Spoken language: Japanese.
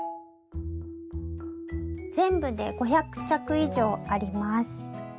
全部で５００着以上あります。